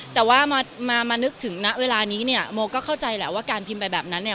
แต่ว่ามามานึกถึงณเวลานี้เนี่ยโมก็เข้าใจแหละว่าการพิมพ์ไปแบบนั้นเนี่ย